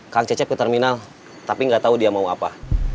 kang cecep ke terminal tapi nggak tahu dia mau apa